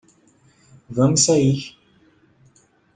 Vamos sair